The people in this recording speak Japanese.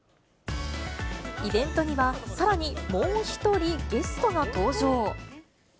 イベントには、さらにもう１人ゲストが登場。